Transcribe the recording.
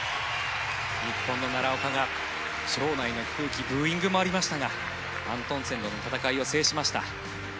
日本の奈良岡が場内の空気ブーイングもありましたがアントンセンとの戦いを制しました。